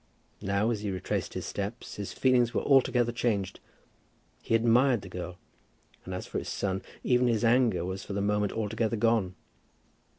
Now, as he retraced his steps, his feelings were altogether changed. He admired the girl, and as for his son, even his anger was for the moment altogether gone.